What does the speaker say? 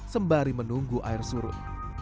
sembari menunggu air surut